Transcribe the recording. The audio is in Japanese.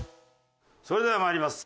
それでは参ります。